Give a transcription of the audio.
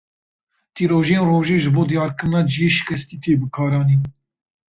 Tîrojên rojê ji bo diyarkirina ciyê şikestî tê bikaranîn.